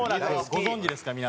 ご存じですか？